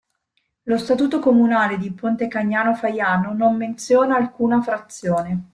Lo statuto comunale di Pontecagnano Faiano non menziona alcuna frazione.